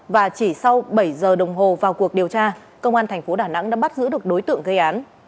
và chỉ sau bảy giờ đồng hồ vào cuộc điều tra công an thành phố đà nẵng đã bắt giữ được đối tượng gây án